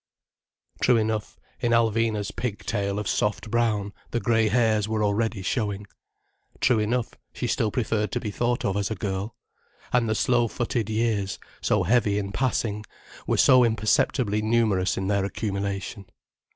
True enough, in Alvina's pig tail of soft brown the grey hairs were already showing. True enough, she still preferred to be thought of as a girl. And the slow footed years, so heavy in passing, were so imperceptibly numerous in their accumulation.